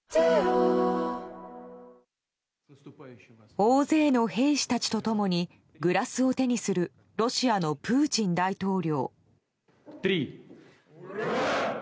大勢の兵士たちと共にグラスを手にするロシアのプーチン大統領。